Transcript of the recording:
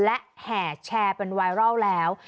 และแห่แชร์เป็นไวรัลแล้ว